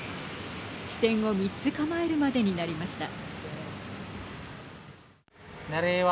支店を３つ構えるまでになりました。